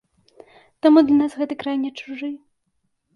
Таму для нас гэты край не чужы.